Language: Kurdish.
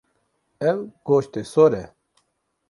Ew goştê sor e.